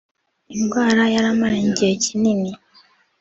indwara yari amaranye igihe kinini